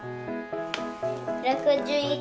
６１。